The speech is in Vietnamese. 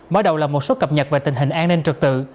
mới đầu là một số cập nhật về tình hình an ninh trực tự